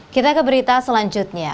kita ke berita selanjutnya